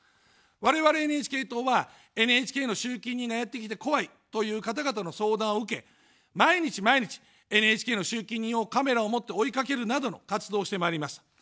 我々ＮＨＫ党は、ＮＨＫの集金人がやって来て怖いという方々の相談を受け、毎日毎日、ＮＨＫの集金人をカメラを持って追いかけるなどの活動をしてまいります。